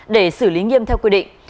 để xử lý nghiêm theo quy định